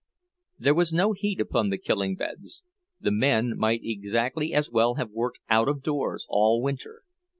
There was no heat upon the killing beds; the men might exactly as well have worked out of doors all winter.